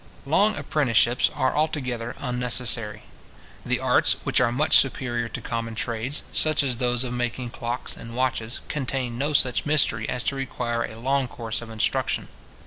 Long apprenticeships are altogether unnecessary. The arts, which are much superior to common trades, such as those of making clocks and watches, contain no such mystery as to require a long course of instruction.